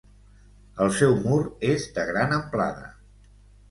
El seu mur és de gran amplada.